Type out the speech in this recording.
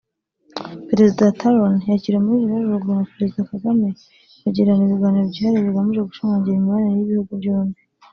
Perezida Talon yakiriwe muri Village Urugwiro na Perezida Kagame bagirana ibiganiro byihariye bigamije gushimangira imibanire y’ibihugu byombi